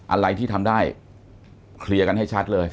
อะไรที่ทำได้เคลียร์กันให้ชัดเลย